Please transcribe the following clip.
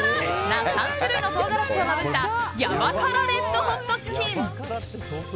な３種類の唐辛子をまぶしたヤバ辛レッドホットチキン。